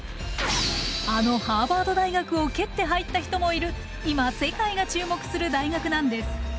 あのハーバード大学を蹴って入った人もいる今世界が注目する大学なんです。